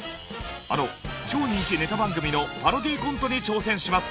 あの超人気ネタ番組のパロディーコントに挑戦します。